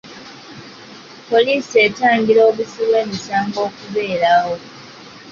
Poliisi etangira obuzzi bw'emisango okubeerawo.